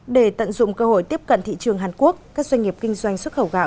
để tận dụng cơ hội tiếp cận thị trường hàn quốc các doanh nghiệp kinh doanh xuất khẩu gạo